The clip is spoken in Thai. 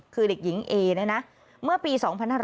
คือเด็กหญิงเอเนี่ยนะเมื่อปี๒๕๕๙